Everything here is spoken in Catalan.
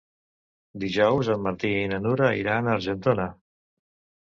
Dijous en Martí i na Nura iran a Argentona.